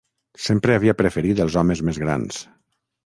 Sempre havia preferit els homes més grans...